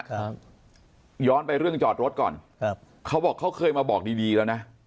ครับย้อนไปเรื่องจอดรถก่อนครับเขาบอกเขาเคยมาบอกดีดีแล้วนะ